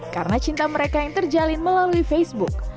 karena cinta mereka yang terjalin melalui facebook